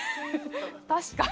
確かに。